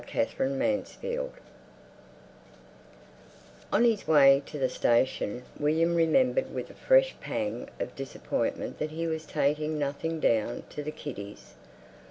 Marriage à la Mode On his way to the station William remembered with a fresh pang of disappointment that he was taking nothing down to the kiddies.